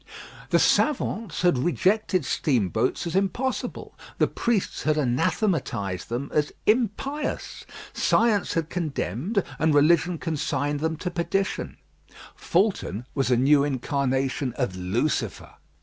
The savants had rejected steamboats as impossible; the priests had anathematised them as impious. Science had condemned, and religion consigned them to perdition. Fulton was a new incarnation of Lucifer.